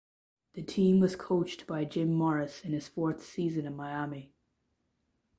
The team was coached by Jim Morris in his fourth season at Miami.